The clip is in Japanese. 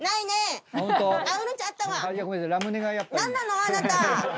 何なの⁉あなた！